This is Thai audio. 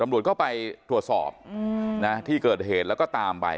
ตำรวจก็ไปตรวจสอบที่เกิดเหตุแล้วก็ตามไป